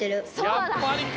やっぱりか。